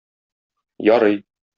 Ярый.